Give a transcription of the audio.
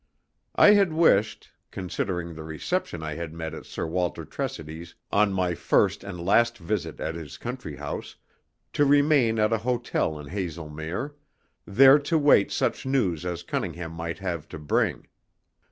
I had wished (considering the reception I had met at Sir Walter Tressidy's on my first and last visit at his country house) to remain at an hotel in Haslemere, there to await such news as Cunningham might have to bring.